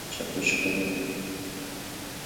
چکش خوری